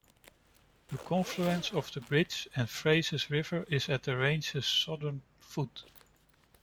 The confluence of the Bridge and Fraser Rivers is at the range's southern foot.